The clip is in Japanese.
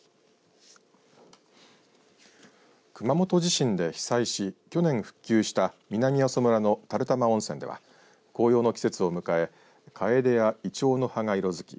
熊本地震で被災し去年、復旧した南阿蘇村の垂玉温泉では紅葉の季節を迎えかえでやいちょうの葉が色づき